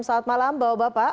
selamat malam bapak bapak